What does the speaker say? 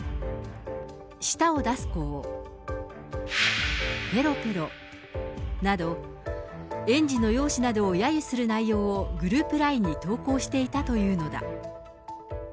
舌を出す子を、ぺろぺろなど、園児の容姿などをやゆする内容をグループＬＩＮＥに投稿していたというのだ。